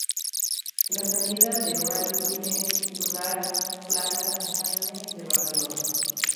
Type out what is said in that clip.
La salida del rally tiene lugar plaza San Jaime de Barcelona.